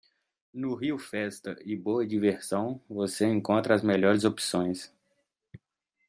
No RioFesta e Boa Diversão você encontra as melhores opções.